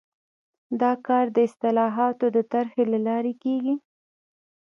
دا کار د اصلاحاتو د طرحې له لارې کیږي.